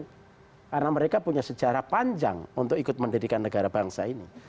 karena mereka punya sejarah panjang untuk ikut mendidikan negara bangsa ini